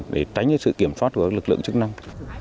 để tránh sự kiểm soát của lực lượng chức năng